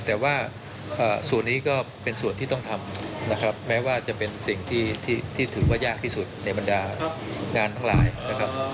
แต่ว่าส่วนนี้ก็เป็นส่วนที่ต้องทำนะครับแม้ว่าจะเป็นสิ่งที่ถือว่ายากที่สุดในบรรดางานทั้งหลายนะครับ